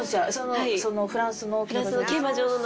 そのフランスの大きな。